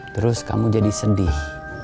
terus kamu jadi sedih